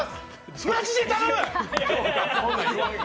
マジで頼む！！